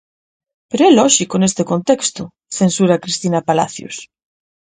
Pero é lóxico neste contexto, censura Cristina Palacios.